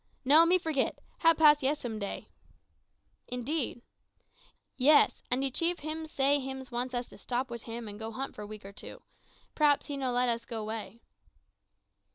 "No, me forgit; hab pass yistumday." "Indeed!" "Yis, an' de chief hims say hims want us to stop wid him and go hunt for week or two. P'raps he no let us go 'way."